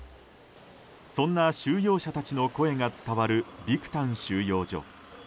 そんな収容者たちの声が伝わるビクタン収容所。